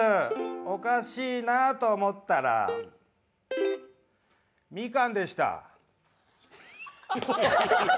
おかしいなとおもったらみかんでした。